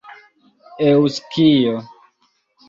eŭskio